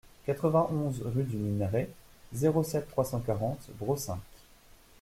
quatre-vingt-onze rue du Minerai, zéro sept, trois cent quarante Brossainc